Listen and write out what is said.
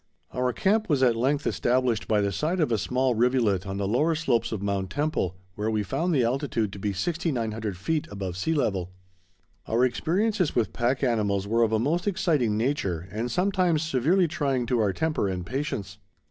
Our camp was at length established by the side of a small rivulet on the lower slopes of Mount Temple, where we found the altitude to be 6900 feet above sea level. Our experiences with pack animals were of a most exciting nature and sometimes severely trying to our temper and patience.